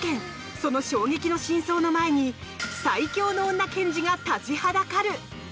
その衝撃の真相の前に最強の女検事が立ちはだかる。